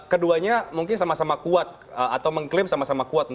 keduanya mungkin sama sama kuat atau mengklaim sama sama kuat